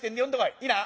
いいな？」。